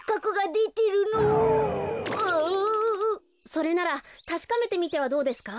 それならたしかめてみてはどうですか？